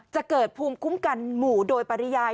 จะเกิดภูมิคุ้มกันหมู่โดยปริยาย